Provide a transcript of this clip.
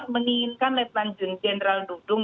menginginkan lieutenant general dudung